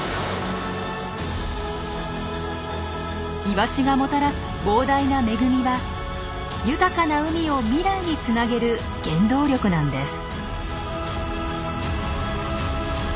イワシがもたらす膨大な恵みは豊かな海を未来につなげる原動力なんです。